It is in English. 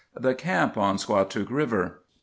THE CAMP ON SQUATOOK RIVER.